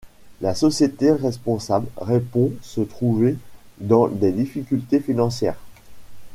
La société responsable répond se trouver dans des difficultés financières.